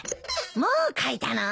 もう書いたの？